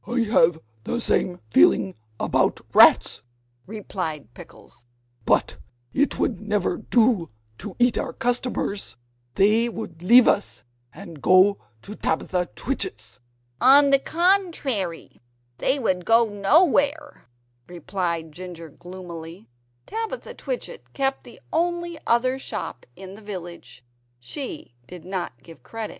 "I have the same feeling about rats," replied Pickles, "but it would never do to eat our customers; they would leave us and go to Tabitha Twitchit's." "On the contrary, they would go nowhere," replied Ginger gloomily. (Tabitha Twitchit kept the only other shop in the village. She did not give credit.)